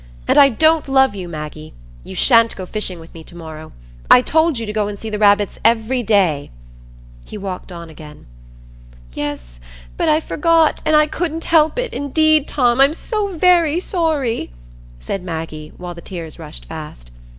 And I don't love you, Maggie. You sha'n't go fishing with me to morrow. I told you to go and see the rabbits every day." He walked on again. "Yes, but I forgot—and I couldn't help it, indeed, Tom. I'm so very sorry," said Maggie, while the tears rushed fast.